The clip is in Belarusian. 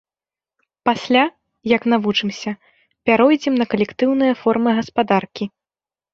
Пасля, як навучымся, пяройдзем на калектыўныя формы гаспадаркі.